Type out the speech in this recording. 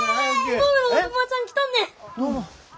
どうも。